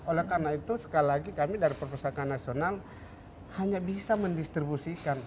oleh karena itu sekali lagi kami dari perpustakaan nasional hanya bisa mendistribusikan